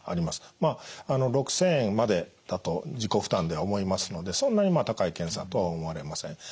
まあ６，０００円までだと自己負担では思いますのでそんなにまあ高い検査とは思われません。